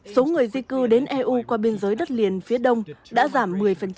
số người di cư đến eu qua biên giới đất liền phía đông đã giảm một mươi